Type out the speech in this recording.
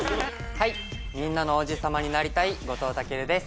はいみんなの王子様になりたい後藤威尊です